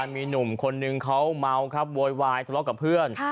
มีหนุ่มคนนึงเขาเมาครับโวยวายทะเลาะกับเพื่อน